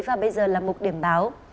và bây giờ là một điểm báo